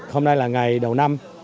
hôm nay là ngày đầu năm